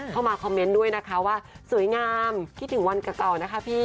เข้ามาคอมเมนต์ด้วยนะคะว่าสวยงามคิดถึงวันเก่านะคะพี่